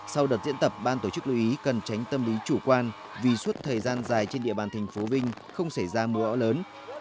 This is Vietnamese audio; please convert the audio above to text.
sau đợt diễn tập ban tổ chức lưu ý cần tránh tâm lý chủ quan vì suốt thời gian dài trên địa bàn tp vinh không xảy ra mưa bão lớn